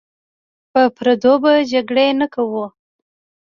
په پردو به جرګې نه کوو.